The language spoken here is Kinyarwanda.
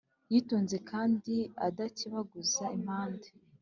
yitonze kandi adakebaguza impande